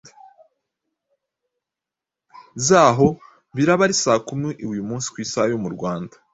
zaho biraba ari saa kumi uyu munsi ku isaha yo mu Rwanda.